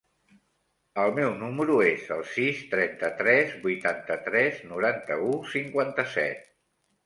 El meu número es el sis, trenta-tres, vuitanta-tres, noranta-u, cinquanta-set.